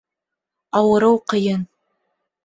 Ауырыу ҡыйын